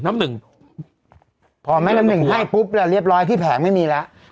น้ำหนึ่งพอแม่น้ำหนึ่งให้ปุ๊บแล้วเรียบร้อยที่แผงไม่มีแล้ว